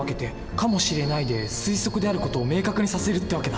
かもしれない」で推測である事を明確にさせるって訳だ。